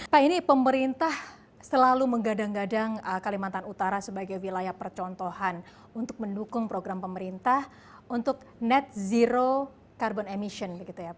pak ini pemerintah selalu menggadang gadang kalimantan utara sebagai wilayah percontohan untuk mendukung program pemerintah untuk net zero carbon emission